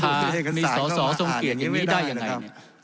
ทั้งสองกรณีผลเอกประยุทธ์